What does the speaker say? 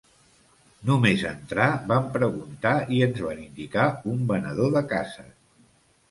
Només entrar, vam preguntar i ens van indicar un venedor de cases.